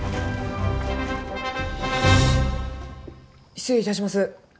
失礼いたします。